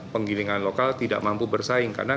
penggilingan lokal tidak mampu bersaing karena